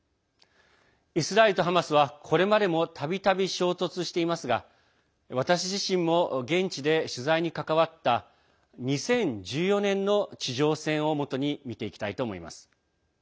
イスラエルとハマスはこれまでもたびたび衝突していますが私自身も現地で取材に関わった２０１４年の地上戦をもとに見ていきたいと思います。